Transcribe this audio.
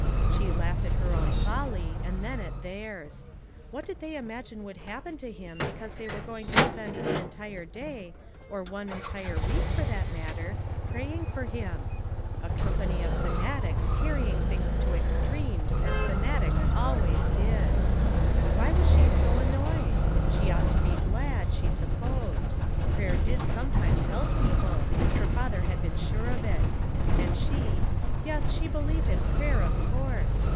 She laughed at her own folly, and then at theirs. What did they imagine would happen to him because they were going to spend one entire day, or one en tire week for that matter, praying for him! A company of fanatics carrying things to ex 344 FOUR MOTHERS AT CHAUTAUQUA trenies as fanatics always did. Why was she so annoyed? She ought to be glad, she sup posed; prayer did sometimes help people, her father had been sure of it ; and she — yes, she be lieved in prayer, of course.